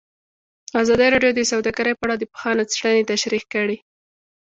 ازادي راډیو د سوداګري په اړه د پوهانو څېړنې تشریح کړې.